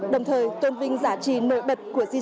đồng thời tôn vinh giá trị nội bật của di sản